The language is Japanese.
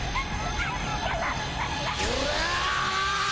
うわ！